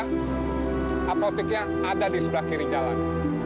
apoteknya ada di sebelah kiri jalan